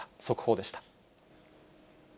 速報でした。